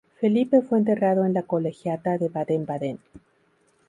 Felipe fue enterrado en la colegiata de Baden-Baden.